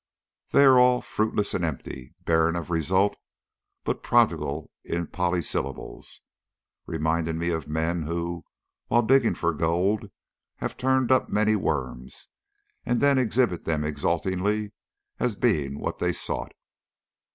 They are all fruitless and empty, barren of result, but prodigal of polysyllables, reminding me of men who, while digging for gold, have turned up many worms, and then exhibit them exultantly as being what they sought.